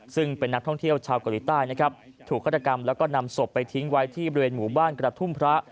ซึ่งเป็นนักท่องเที่ยวชาวเกาหลีใต้นะครับถูกฆาตกรรมแล้วก็นำศพไปทิ้งไว้ที่บริเวณหมู่บ้านกระทุ่มพระ